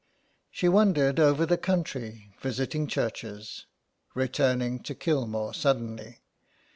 She wandered over the country visiting churches, returning to Kilmore suddenly.